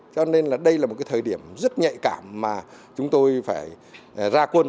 cho nên đây là một thời điểm rất nhạy cảm mà chúng tôi phải ra quân